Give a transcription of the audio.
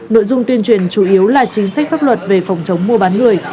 nội dung tuyên truyền chủ yếu là chính sách pháp luật về phòng chống mua bán người